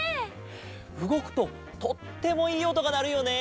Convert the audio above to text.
うごくととってもいいおとがなるよね。